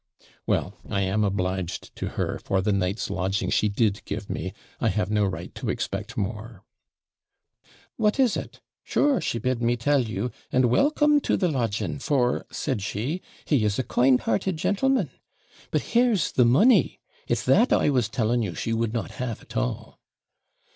'Well, I am obliged to her for the night's lodging she did give me; I have no right to expect more.' 'What is it? Sure she bid me tell you "and welcome to the lodging; for," said she, "he is a kind hearted gentleman;" but here's the money; it's that I was telling you she would not have at all.'